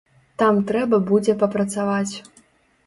Там трэба будзе папрацаваць.